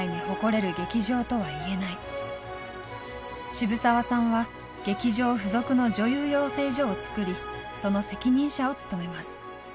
渋沢さんは劇場付属の女優養成所をつくりその責任者を務めます。